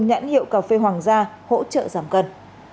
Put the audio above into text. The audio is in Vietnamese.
nhãn hiệu cà phê hoàng gia hỗ trợ giảm cân